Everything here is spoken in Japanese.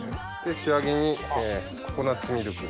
仕上げにココナツミルク。